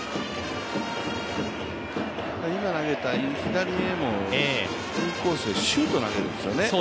今、投げた左へのインコースシュート投げるんですよね。